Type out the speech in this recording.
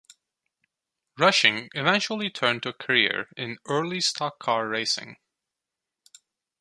Rushing eventually turned to a career in early stock car racing.